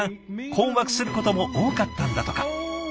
困惑することも多かったんだとか。